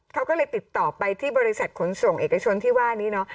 เขาก็เลยติดต่อไปที่บริษัทขนส่งเอกชนที่ว่านี้เนาะ